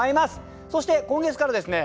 そして今月からですね